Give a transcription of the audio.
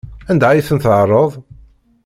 Anda ay tent-tɛerraḍ?